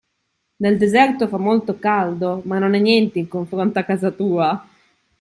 Nel deserto fa molto caldo, ma non è niente in confronto a casa tua.